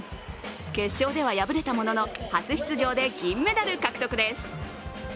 決勝では敗れたものの初出場で銀メダル獲得です。